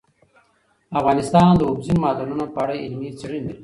افغانستان د اوبزین معدنونه په اړه علمي څېړنې لري.